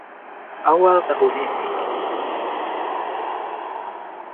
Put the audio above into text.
awal tahun ini